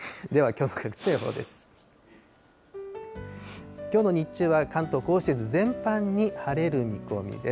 きょうの日中は関東甲信越全般に晴れる見込みです。